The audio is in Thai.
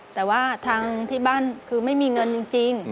แต่ว่าทางที่บ้านคือไม่มีเงินจริง